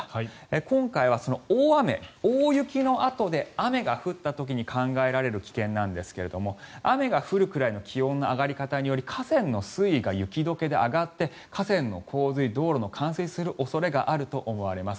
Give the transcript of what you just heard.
今回は大雨大雪のあとで雨が降った時に考えられる危険なんですが雨が降るくらいの気温の上がり方により河川の水位が雪解けで上がって河川の増水道路が冠水する恐れがあります。